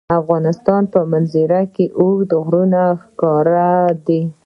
د افغانستان په منظره کې اوږده غرونه ښکاره ده.